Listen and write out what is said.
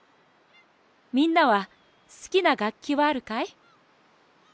みんなはすきながっきはあるかい？